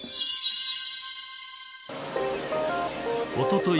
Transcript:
おととい